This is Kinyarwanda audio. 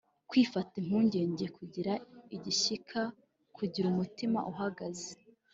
kwifata impungenge: kugira igishyika, kugira umutima uhagaze